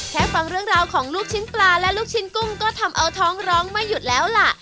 ฟังเรื่องราวของลูกชิ้นปลาและลูกชิ้นกุ้งก็ทำเอาท้องร้องไม่หยุดแล้วล่ะ